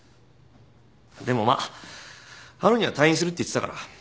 でもまあ春には退院するって言ってたから。